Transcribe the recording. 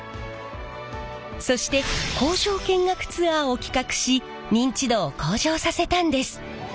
そして工場見学ツアーを企画し認知度を向上させたんです。